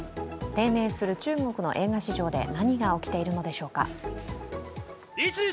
低迷する中国の映画市場で何が起きているのでしょうか。